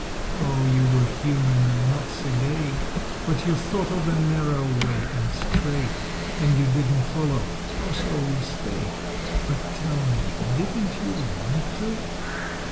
Oh, you were human and not sedate, But you thought of the narrow way and straight, And you didn't follow (or so you state), But tell me didn't you want to?